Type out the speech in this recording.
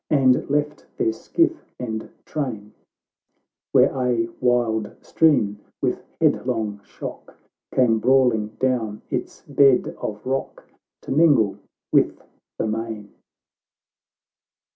And left their skiff and train, "Where a wild stream, with headlong shock. Came brawling down its bed of rock, To mingle with the main.